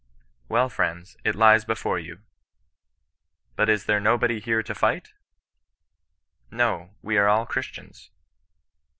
* Well, friends, it lies before you.' ' But is there nobody here to fight V ' No ; we are all Christians.'